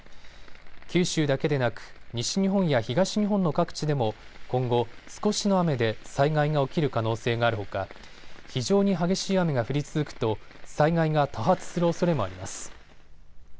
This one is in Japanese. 九州だけでなく西日本や東日本の各地でも今後、少しの雨で災害が起きる可能性があるほか非常に激しい雨が降り続くと災害が多発するおそれもあります。